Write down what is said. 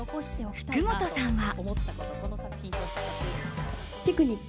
福本さんは。